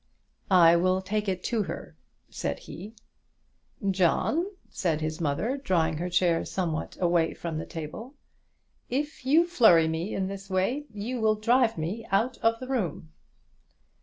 "I will take it to her," said he. "John," said his mother, drawing her chair somewhat away from the table, "if you flurry me in this way, you will drive me out of the room."